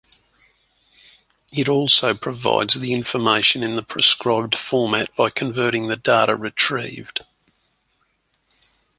It also provides the information in the prescribed format by converting the data retrieved.